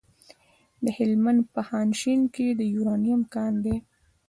د هلمند په خانشین کې د یورانیم کان دی.